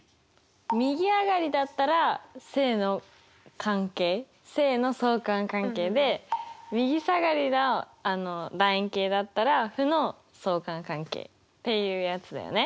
右上がりだったら正の相関関係で右下がりの楕円形だったら負の相関関係っていうやつだよね。